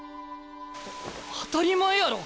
当たり前やろ！